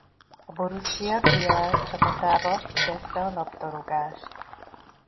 A Borussia Kiel csapatában kezdte a labdarúgást.